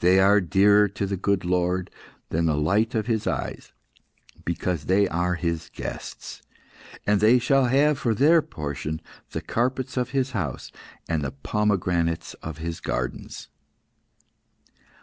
They are dearer to the good Lord God than the light of His eyes, because they are His guests, and they shall have for their portion the carpets of His house, and the pomegranates of His gardens."